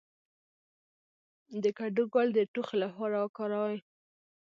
د کدو ګل د ټوخي لپاره وکاروئ